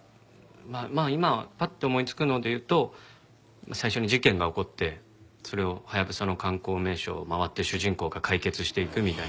まあ今パッて思いつくのでいうと最初に事件が起こってそれをハヤブサの観光名所を回って主人公が解決していくみたいな。